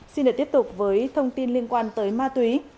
xin được tiếp tục với thông tin liên quan tới ma túy